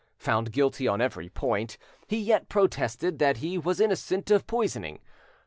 Found guilty on every point, he yet protested that he was innocent of poisoning.